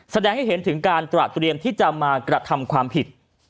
แสดงให้เห็นถึงการตระเตรียมที่จะมากระทำความผิด